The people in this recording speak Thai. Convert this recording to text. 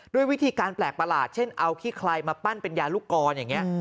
ด้วยวิธีการแปลกประหลาดเช่นเอาขี้คลายมาปั้นเป็นยาลูกกรอย่างนี้